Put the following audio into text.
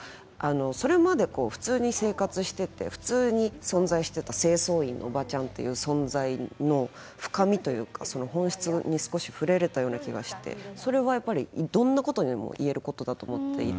それまで普通に生活してて普通に存在してた清掃員のおばちゃんっていう存在の深みというかその本質に少し触れられたような気がしてそれはやっぱりどんなことにでも言えることだと思っていて。